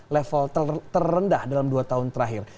level terendah dalam dua tahun terakhir